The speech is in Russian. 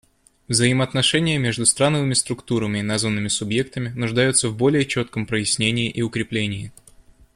Взаимоотношения между страновыми структурами и названными субъектами нуждаются в более четком прояснении и укреплении.